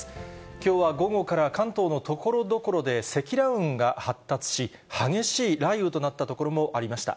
きょうは午後から関東のところどころで積乱雲が発達し、激しい雷雨となった所もありました。